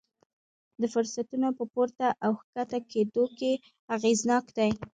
د فرصتونو په پورته او ښکته کېدو کې اغېزناک دي.